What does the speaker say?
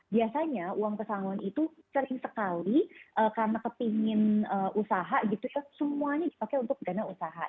biasanya uang pesangon itu sering sekali karena kepingin usaha gitu ya semuanya dipakai untuk dana usaha